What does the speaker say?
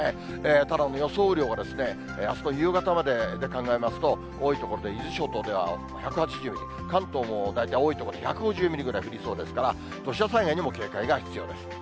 ただ、予想雨量は、あすの夕方までで考えますと、多い所で伊豆諸島では１８０ミリ、関東も大体多い所で１５０ミリぐらい降りそうですから、土砂災害にも警戒が必要です。